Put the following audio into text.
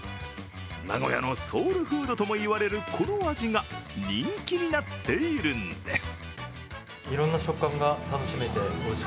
名古屋のソウルフードとも言われるこの味が人気になっているんです。